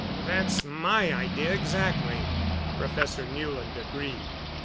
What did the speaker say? "That's my idea exactly," Professor Newland agreed.